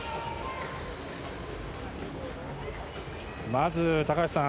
まず高橋さん